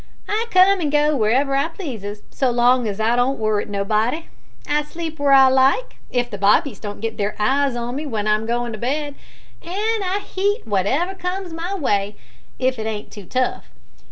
I come an' go where I pleases, so long's I don't worrit nobody. I sleep where I like, if the bobbies don't get their eyes on me w'en I'm agoin' to bed, an' I heat wotever comes in my way if it ain't too tough.